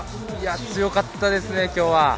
強かったですね、今日は。